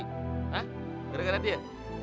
hah gara gara dia